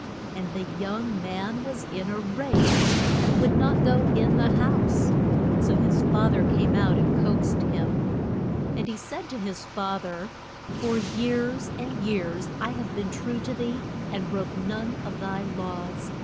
And the young man was in a rage, and would not go in the house; so his fa ther came out and coaxed him. And he said to his fa ther, For years and years have I been true to thee and broke none of thy laws.